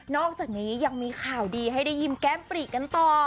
อกจากนี้ยังมีข่าวดีให้ได้ยิ้มแก้มปรีกันต่อ